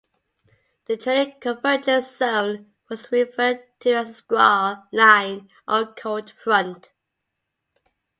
The trailing convergence zone was referred to as the squall line or cold front.